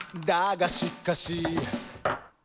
「だがしかし」